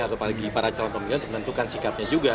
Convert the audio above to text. atau bagi para calon pemimpin untuk menentukan sikapnya juga